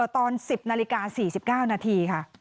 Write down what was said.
ตอน๑๐นาฬิกา๔๙นาทีค่ะ